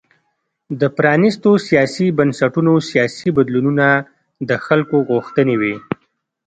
د پرانیستو سیاسي بنسټونو سیاسي بدلونونه د خلکو غوښتنې وې.